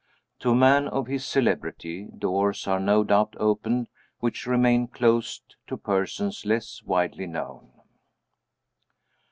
To a man of his celebrity, doors are no doubt opened which remain closed to persons less widely known.